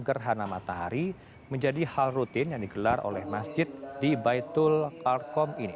gerhana matahari menjadi hal rutin yang digelar oleh masjid di baitul arkom ini